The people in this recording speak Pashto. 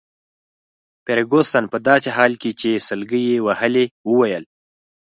فرګوسن په داسي حال کي چي سلګۍ يې وهلې وویل.